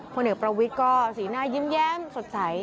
ผลเอกประวิทย์ก็สีหน้ายิ้มแย้มสดใส